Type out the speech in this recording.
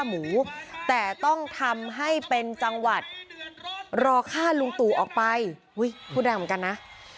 อุ๊ยพูดแรงเหมือนกันนะ